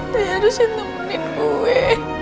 dia harusnya temenin gue